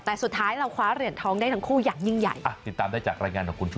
แต่สุดท้ายเราคว้าเหรียญทองได้ทั้งคู่อย่างยิ่งใหญ่